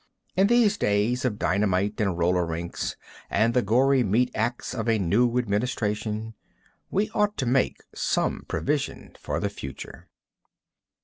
In these days of dynamite and roller rinks, and the gory meat ax of a new administration, we ought to make some provision for the future.